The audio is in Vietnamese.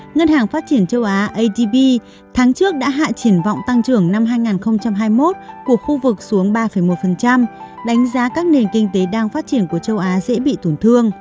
ngân hàng phát triển châu á adb tháng trước đã hạ triển vọng tăng trưởng năm hai nghìn hai mươi một của khu vực xuống ba một đánh giá các nền kinh tế đang phát triển của châu á dễ bị tổn thương